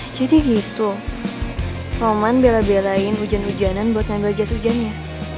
jadi gitu roman bela belain hujan hujanan buat ngambil jas hujannya